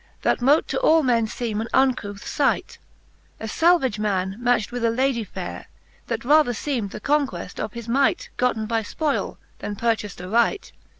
That mote to all men feeme an uncouth fight ; A falvage man matcht with a Lady fayre, That rather feem'd the conqueft of his might, Gotten by fpoyle, then purchaced aright.